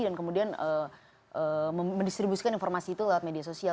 dan kemudian mendistribusikan informasi itu lewat media sosial